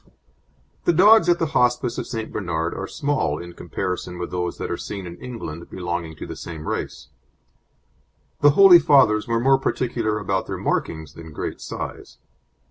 The dogs at the Hospice of St. Bernard are small in comparison with those that are seen in England belonging to the same race. The Holy Fathers were more particular about their markings than great size.